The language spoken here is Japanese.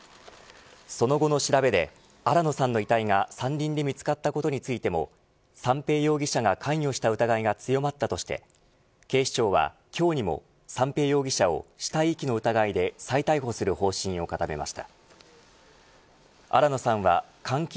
その後の調べで新野さんの遺体が山林で見つかったことについても三瓶容疑者が関与した疑いが強まったとして警視庁は今日にも三瓶容疑者を死体遺棄の疑いで金曜日のお天気をお伝えします。